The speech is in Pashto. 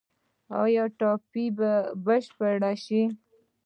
آیا ټاپي به بشپړه شي؟